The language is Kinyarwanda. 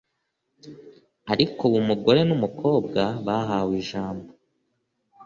ariko ubu umugore n'umukobwa bahawe ijambo,